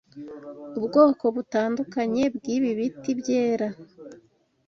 ubwoko butandukanye bwibi biti byera